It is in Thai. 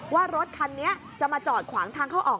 ว่ารถคันนี้จะมาจอดขวางทางเข้าออก